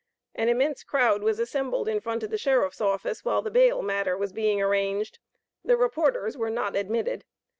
An immense crowd was assembled in front of the Sheriff's office, while the bail matter was being arranged. The reporters were not admitted.